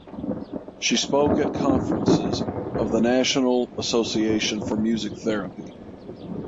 She spoke at conferences of the National Association for Music Therapy.